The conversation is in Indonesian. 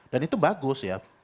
dan itu bagus ya